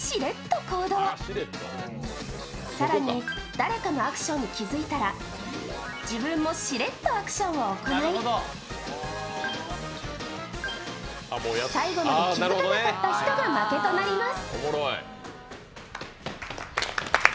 誰かのアクションに気づいたら自分もしれっとアクションを行い最後まで気付かなかった人が負けとなります。